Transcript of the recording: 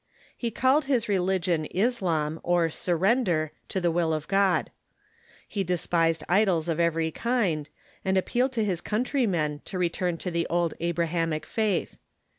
He called his religion "Islam," or "surrender" to the will of God. He despised idols of every kind, and appealed to his countrjnnen to return to the old Abi ahamic faith.